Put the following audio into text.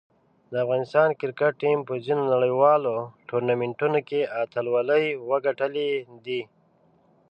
د افغانستان کرکټ ټیم په ځینو نړیوالو ټورنمنټونو کې اتلولۍ وګټلې دي.